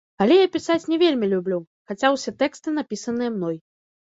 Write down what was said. Але я пісаць не вельмі люблю, хаця ўсе тэксты напісаныя мной.